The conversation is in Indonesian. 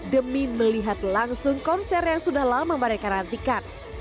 dan melihat langsung konser yang sudah lama mereka rantikan